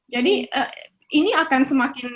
jadi ini akan semakin